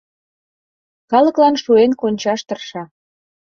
Калыклан шуэн кончаш тырша.